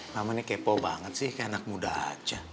mama ini kepo banget sih kayak anak muda aja